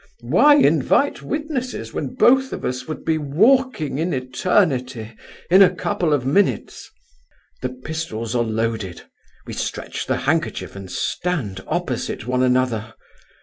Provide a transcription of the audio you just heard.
Why invite witnesses when both of us would be walking in eternity in a couple of minutes? The pistols are loaded; we stretch the handkerchief and stand opposite one another.